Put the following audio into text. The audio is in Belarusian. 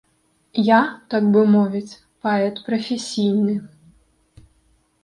Я, так бы мовіць, паэт прафесійны.